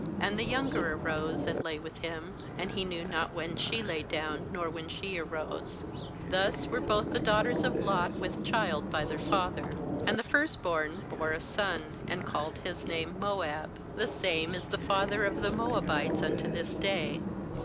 And the younger arose, and lay with him; and he knew not when she lay down, nor when she arose. 36Thus were both the daughters of Lot with child by their father. 37And the first born bore a son, and called his name Moab — the same is the father of the Moabites unto this day.